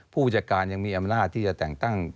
ผู้จัดการยังมีอำนาจที่จะแต่งตั้ง